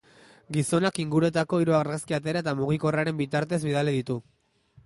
Gizonak inguruetako hiru argazki atera eta mugikorraren bitartez bidali ditu.